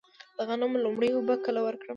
د غنمو لومړۍ اوبه کله ورکړم؟